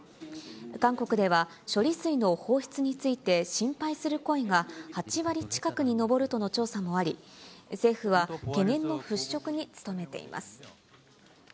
韓国では、処理水の放出について心配する声が８割近くに上るとの調査もあり、政府は懸念の払拭に努めています。